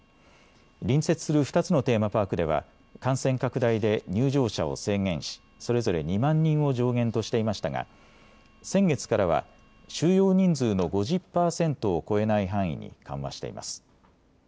隣接する２つのテーマパークでは感染拡大で入場者を制限しそれぞれ２万人を上限としていましたが先月からは収容人数の５０％を超えない範囲に緩和しています。